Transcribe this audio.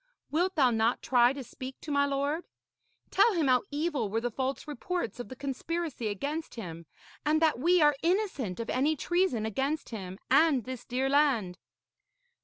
Wilt thou not try to speak to my lord? Tell him how evil were the false reports of the conspiracy against him, and that we are innocent of any treason against him and this dear land.'